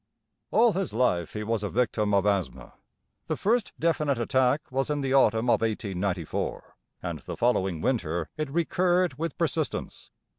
All his life he was a victim of asthma. The first definite attack was in the autumn of 1894, and the following winter it recurred with persistence.